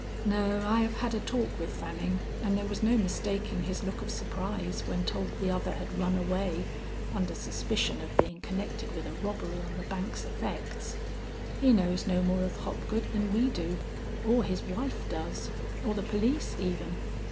"No; I have had a talk with Fanning, and there was no mistaking his look of surprise when told the other had run away under suspicion of being connected with a robbery on the bank's effects. He knows no more of Hopgood than we do, or his wife does, or the police even.